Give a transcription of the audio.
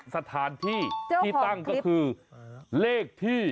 สถานที่ที่ตั้งก็คือเลขที่